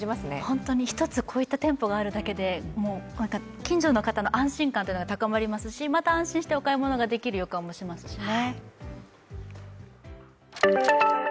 本当に１つこういった店舗があるだけで、近所の方の安心感も高まりますし、また安心してお買い物ができる予感もしますね。